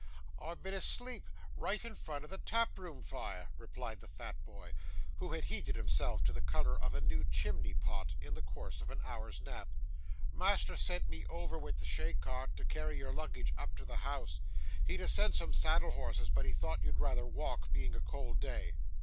'I've been asleep, right in front of the taproom fire,' replied the fat boy, who had heated himself to the colour of a new chimney pot, in the course of an hour's nap. 'Master sent me over with the chay cart, to carry your luggage up to the house. He'd ha' sent some saddle horses, but he thought you'd rather walk, being a cold day.